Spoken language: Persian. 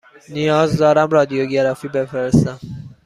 نیاز دارم رادیوگرافی بفرستم.